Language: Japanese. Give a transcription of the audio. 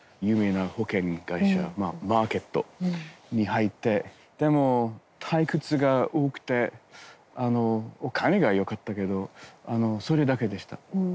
有名な保険会社マーケットに入ってでも退屈が多くてお金がよかったけどそれだけでした。